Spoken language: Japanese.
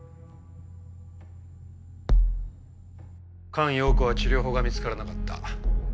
菅容子は治療法が見つからなかった。